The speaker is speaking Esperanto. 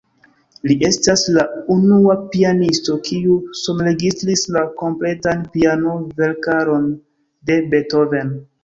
Li estas la unua pianisto, kiu sonregistris la kompletan piano-verkaron de Beethoven.